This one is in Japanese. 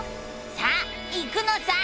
さあ行くのさ！